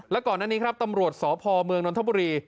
และก่อนอันนี้ครับตำรวจสพเมืองนนทบุรี